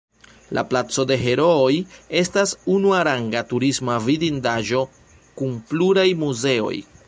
La Placo de Herooj estas unuaranga turisma vidindaĵo kun pluraj muzeoj.